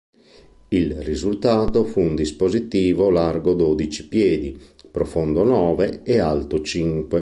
Il risultato fu un dispositivo largo dodici piedi, profondo nove e alto cinque.